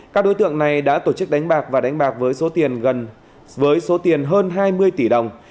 các đối tượng này đã tổ chức đánh bạc và đánh bạc với số tiền hơn hai mươi tỷ đồng